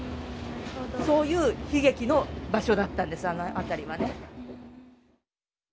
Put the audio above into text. そういう悲劇の場所だったんですあの辺りはね。